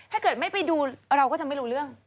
ถ้าเกิดไม่ไปดูเราก็จะไม่รู้เรื่อง